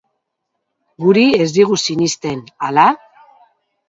Guri ez digu sinesten, ala?